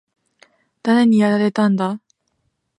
誰にやられたんだ？